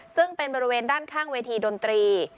ซึ่งเป็นบริเวณด้านข้างเวทีดนตรี